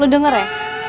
lo denger ya